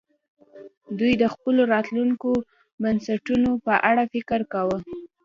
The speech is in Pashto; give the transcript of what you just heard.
دوی د خپلو راتلونکو پیټینټونو په اړه فکر کاوه